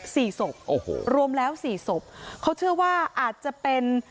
สี่ศพโอ้โหรวมแล้วสี่ศพเขาเชื่อว่าอาจจะเป็น